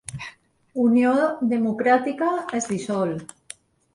Unió Democràtica es dissol.